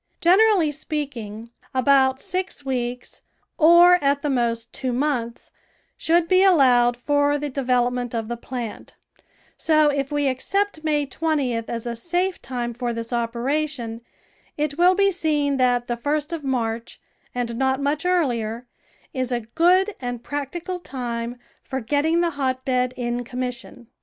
Generally speaking, about six weeks, or at the most two months, should be allowed for the de velopment of the plant; so if we accept May 20th as a safe time for this operation, it will be seen that the first of March, and not much earlier, is a good and practical time for getting the hotbed in com mission.